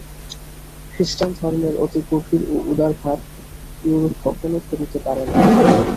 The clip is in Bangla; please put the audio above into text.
খ্রীষ্টান ধর্মের অতি গভীর ও উদার-ভাব ইউরোপ কখনও ধরিতে পারে নাই।